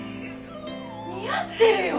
似合ってるよ！